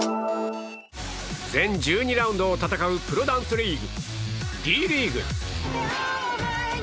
全１２ラウンドを戦うプロダンスリーグ、Ｄリーグ。